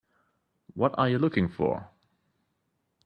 What are you looking for?